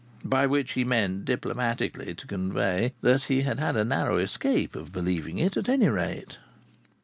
By which he meant diplomatically to convey that he had had a narrow escape of believing it, at any rate.